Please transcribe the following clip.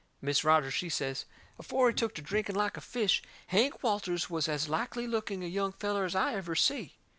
Mis' Rogers, she says: "Afore he took to drinking like a fish, Hank Walters was as likely looking a young feller as I ever see."